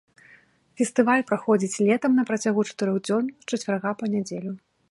Фестываль праходзіць летам на працягу чатырох дзён з чацвярга па нядзелю.